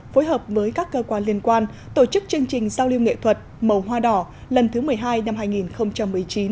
phối hợp với các cơ quan liên quan tổ chức chương trình giao lưu nghệ thuật màu hoa đỏ lần thứ một mươi hai năm hai nghìn một mươi chín